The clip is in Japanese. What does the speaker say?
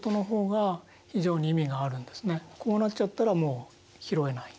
こうなっちゃったらもう拾えない。